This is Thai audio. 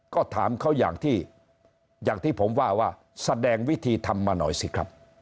ก็ถามเขาอย่างที่อย่างที่ผมว่าว่าแสดงวิธีทำมาหน่อยสิครับ